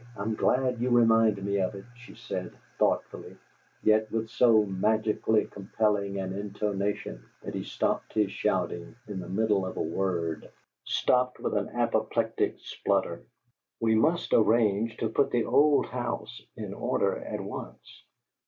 I'm glad you remind me of it," she said, thoughtfully, yet with so magically compelling an intonation that he stopped his shouting in the middle of a word; stopped with an apoplectic splutter. "We must arrange to put the old house in order at once."